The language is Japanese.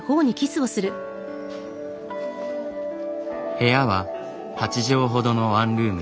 部屋は８畳ほどのワンルーム。